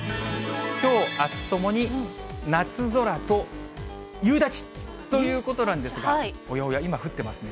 きょう、あすともに、夏空と夕立ということなんですが、おやおや、今、降ってますね。